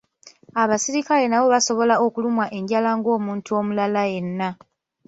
Abasirikale nabo basobola okulumwa enjala ng'omuntu omulala yenna.